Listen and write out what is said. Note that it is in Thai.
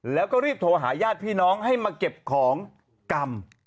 แล้วก็รีบโทรหาญาติพี่น้องให้มาเก็บของกรรม